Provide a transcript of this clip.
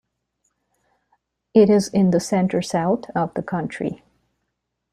It is in the center-south of the country.